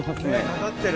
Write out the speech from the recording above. かかってる。